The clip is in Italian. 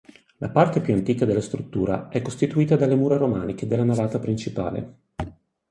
La parte più antica della struttura è costituita dalle mura romaniche della navata principale.